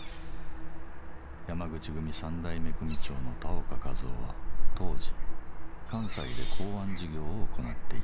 山口組三代目組長の田岡一雄は当時関西で港湾事業を行っていた。